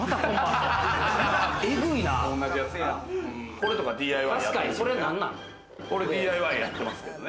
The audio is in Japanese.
これとかＤＩＹ。